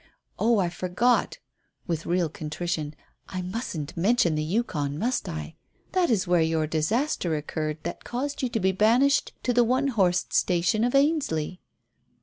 Oh, I forgot," with real contrition, "I mustn't mention the Yukon, must I? That is where your disaster occurred that caused you to be banished to the one horsed station of Ainsley."